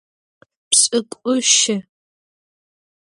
Pş'ık'uşı.